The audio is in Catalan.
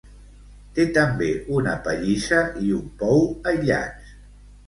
Té també una pallissa i un pou, aïllats.